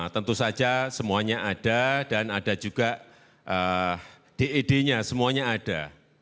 tentu saja semuanya ada dan ada juga ded nya semuanya ada